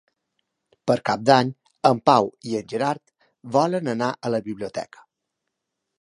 Per Cap d'Any en Pau i en Gerard volen anar a la biblioteca.